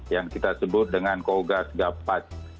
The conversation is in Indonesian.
yang kita sebut dengan kogas gapat